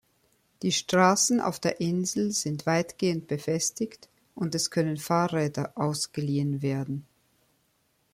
Die Straßen auf der Insel sind weitgehend befestigt und es können Fahrräder ausgeliehen werden.